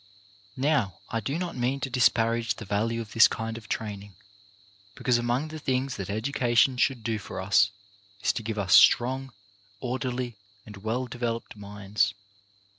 Now I do not mean to disparage the value of this kind of training, because among the things that education should do for us is to give us strong, orderly and well developed minds.